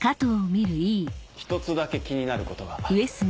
一つだけ気になることが。